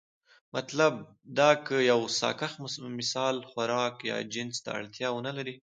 مطلب دا که يو ساکښ مثلا خوراک يا جنس ته اړتيا ونه لري،